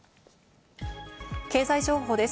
経済情報です。